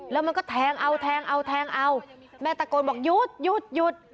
แล้วมันก็แทงเอาแทงเอาแทงเอาแม่ตะโกนบอกหยุดหยุดหยุด